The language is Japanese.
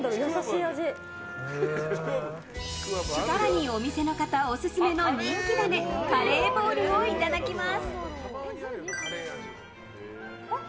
更に、お店の方オススメの人気ダネカレーボールをいただきます。